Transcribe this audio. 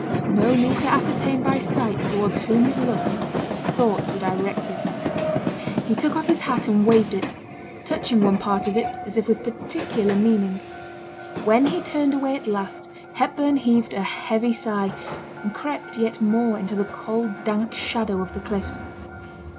No need to ascertain by sight towards whom his looks, his thoughts were directed. He took off his hat and waved it, touching one part of it as if with particular meaning. When he turned away at last, Hepburn heaved a heavy sigh, and crept yet more into the cold dank shadow of the cliffs.